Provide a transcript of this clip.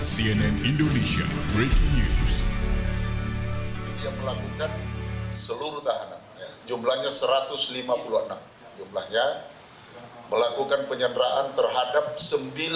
cnn indonesia breaking news